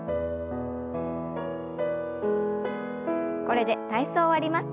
これで体操を終わります。